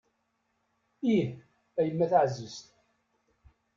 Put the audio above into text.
Ih a yemma taɛzizt.